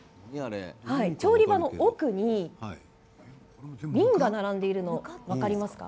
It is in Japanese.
調理場の奥に瓶が並んでいるの分かりますか？